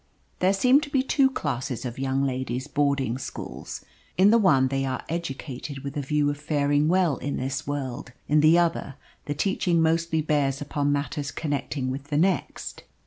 There seem to be two classes of young ladies' boarding schools. In the one they are educated with a view of faring well in this world, in the other the teaching mostly bears upon matters connected with the next.